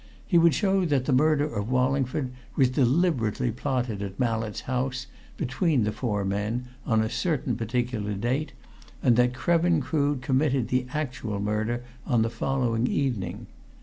He would show that the murder of Wallingford was deliberately plotted at Mallett's house, between the four men, on a certain particular date, and that Krevin Crood committed the actual murder on the following evening.